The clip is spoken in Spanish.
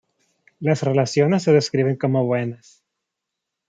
Las relaciones se describen como buenas.